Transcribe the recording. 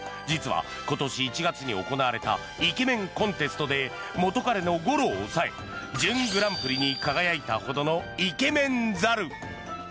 実は今年１月に行われたイケメンコンテストで元彼のゴローを抑え準グランプリに輝いたほどのイケメン猿。